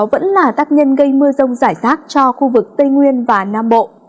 vẫn là tác nhân gây mưa rông rải rác cho khu vực tây nguyên và nam bộ